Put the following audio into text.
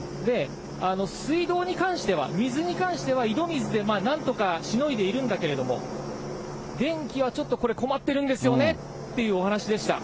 水道に関しては、水に関しては井戸水でなんとかしのいでいるんだけれども、電気はちょっとこれ、困ってるんですよねっていうお話でした。